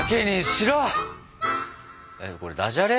えっこれダジャレ？